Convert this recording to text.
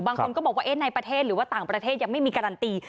บางคนก็บอกว่าในประเทศหรือว่าต่างประเทศยังไม่มีการันตี